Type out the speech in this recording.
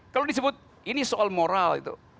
kalau disebut ini soal moral